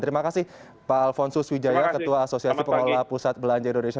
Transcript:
terima kasih pak alfonsus wijaya ketua asosiasi pengelola pusat belanja indonesia